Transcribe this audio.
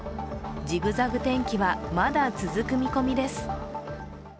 ジグザグ天気はまだ続く見込みです。